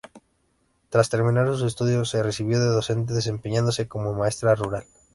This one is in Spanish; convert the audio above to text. Tras terminar sus estudios, se recibió de docente desempeñándose como maestra rural.